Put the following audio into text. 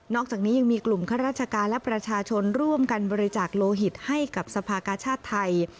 อกจากนี้ยังมีกลุ่มข้าราชการและประชาชนร่วมกันบริจาคโลหิตให้กับสภากาชาติไทย